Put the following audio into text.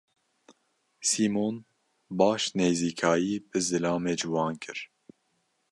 Sîmon baş nêzîkayî bi zilamê ciwan kir.